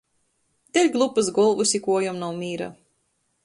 Deļ glupys golvys i kuojom nav mīra.